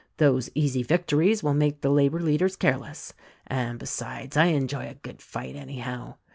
Those easy vic tories will make the labor leaders careless ; and besides, I enjoy a good fight, anyhow.